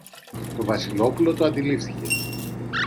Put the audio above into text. Το Βασιλόπουλο το αντιλήφθηκε